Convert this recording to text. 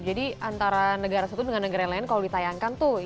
jadi antara negara satu dengan negara yang lain kalau ditayangkan tuh